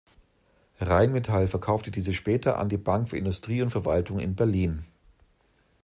Rheinmetall verkaufte diese später an die Bank für Industrie und Verwaltung in Berlin.